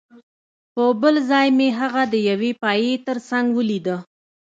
په بل ځل مې هغه د یوې پایې ترڅنګ ولیده